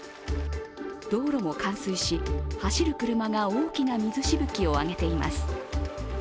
道路も冠水し、走る車が大きな水しぶきを上げています。